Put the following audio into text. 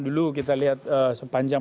dulu kita lihat sepanjang